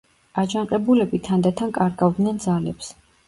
აჯანყებულები თანდათან კარგავდნენ ძალებს.